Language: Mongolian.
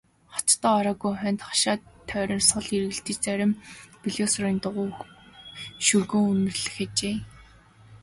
Хотондоо ороогүй хоньд хашаа тойрон сул эргэлдэж зарим нь белоруссын дугуй шөргөөн үнэрлэх ажээ.